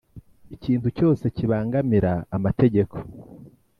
Ikintu cyose kibangamira amategeko